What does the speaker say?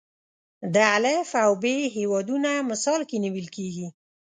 د الف او ب هیوادونه مثال کې نیول کېږي.